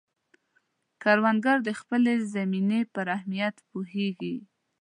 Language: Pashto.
کروندګر د خپلې زمینې پر اهمیت پوهیږي